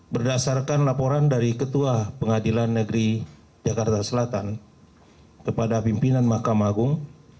berdasarkan laporan dari ketua pengadilan negeri jakarta selatan kepada pimpinan mahkamah agung